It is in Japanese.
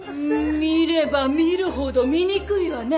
見れば見るほど醜いわね